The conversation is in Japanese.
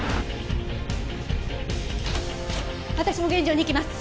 私も現場に行きます。